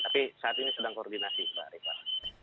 tapi saat ini sedang koordinasi mbak rifat